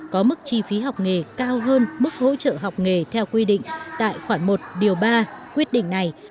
thì chi phí học nghề cao hơn mức hỗ trợ học nghề theo quy định tài khoản một điều ba quyết định này